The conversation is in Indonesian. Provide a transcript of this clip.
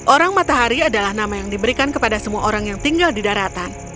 orang matahari adalah nama yang diberikan kepada semua orang yang tinggal di daratan